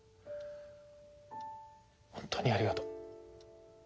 本当にありがとう。